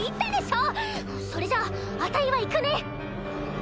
それじゃあたいは行くね！